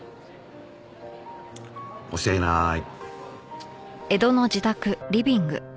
教えない。